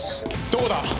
どこだ？